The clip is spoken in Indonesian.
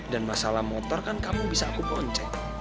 dan masalah motor kan kamu bisa aku poncet